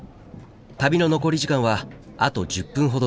旅の残り時間はあと１０分ほどです。